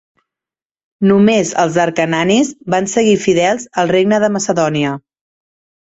Només els acarnanis van seguir fidels al Regne de Macedònia.